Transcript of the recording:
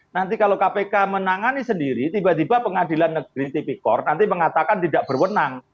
nanti kalau kpk menangani sendiri tiba tiba pengadilan negeri tipikor nanti mengatakan tidak berwenang